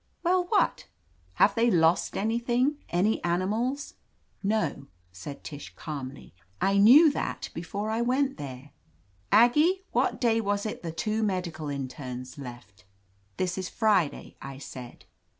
"Well— what?" "Have they lost anything? Any animals?" "No," said Tish calmly. "I knew that be fore I went there. Aggie, what day was it the two medical internes left?" "This is Friday," I said.